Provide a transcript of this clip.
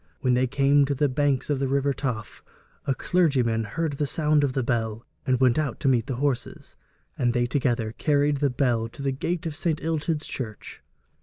When they came to the banks of the river Taff, a clergyman heard the sound of the bell, and went out to meet the horse, and they together carried the bell to the gate of St. Illtyd's church.